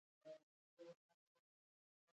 شپنۍ بازۍ د څراغو لانديکیږي.